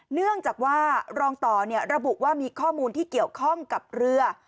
เนื่องจากว่ารองต่อระบุว่ามีข้อมูลที่เกี่ยวข้องกับเรือ